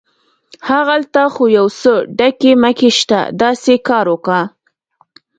هغلته خو یو څه ډکي مکي شته، داسې کار وکه.